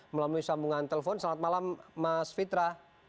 melalui sambungan telepon selamat malam mas fitra